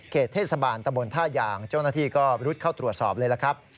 เขตเทศบาลตะบนท่ายางจงนาธิก็รุดเข้าตรวจสอบเลยนะครับ